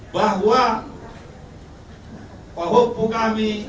bahwa pahupu kami